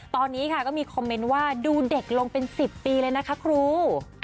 ตอนนี้ค่ะก็มีคอมเมนต์ว่าดูเด็กลงเป็น๑๐ปีเลยนะคะครู